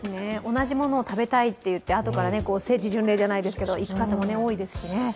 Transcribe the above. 同じものを食べたいってあとから聖地巡礼じゃないですけど行く方も多いですしね。